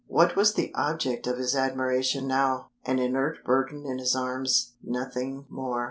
What was the object of his admiration now? An inert burden in his arms nothing more.